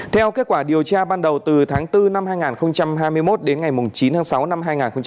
theo kết quả điều tra ban đầu từ tháng bốn năm hai nghìn hai mươi một đến ngày chín tháng sáu năm hai nghìn hai mươi ba